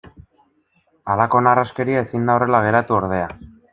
Halako narraskeria ezin da horrela geratu ordea.